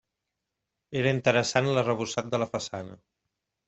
Era interessant l'arrebossat de la façana.